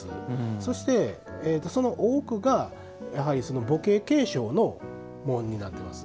そして、その多くが母系継承の紋になってます。